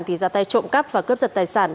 thì ra tay trộm cắp và cướp giật tài sản